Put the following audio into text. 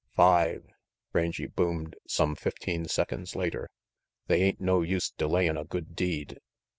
"Five," Rangy boomed some fifteen seconds later. "They ain't no use delayin' a good deed."